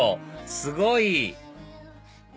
すごい！